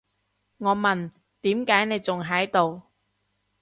我問，點解你仲喺度？